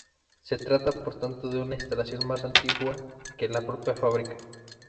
Se trata por tanto de una instalación más antigua que la propia fábrica.